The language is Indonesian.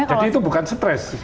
jadi itu bukan stress